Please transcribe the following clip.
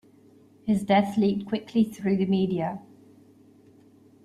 His death leaked quickly through the media.